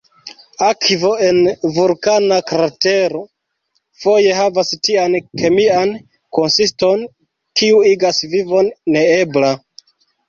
Akvo en vulkana kratero foje havas tian kemian konsiston, kiu igas vivon neebla.